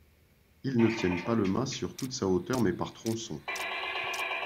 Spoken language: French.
Ils ne tiennent par le mât sur toute sa hauteur mais par tronçon.